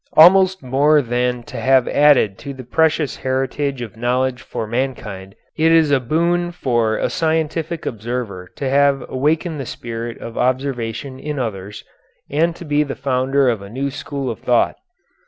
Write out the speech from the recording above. Almost more than to have added to the precious heritage of knowledge for mankind, it is a boon for a scientific observer to have awakened the spirit of observation in others, and to be the founder of a new school of thought.